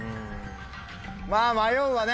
まぁ迷うわね